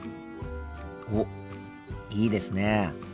おっいいですね。